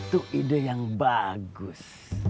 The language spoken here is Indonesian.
itu ide yang bagus